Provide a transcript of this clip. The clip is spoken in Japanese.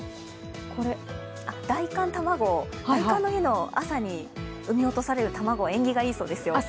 大寒たまご、大寒の日の朝に産み落とされる卵は縁起がいいそうですよ。